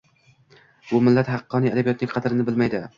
Bu millat haqiqiy adabiyotning qadrini bilmaydi